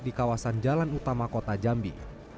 di kawasan jalan utama kota jambi